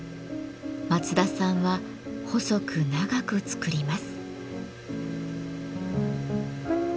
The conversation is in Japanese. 松田さんは細く長く作ります。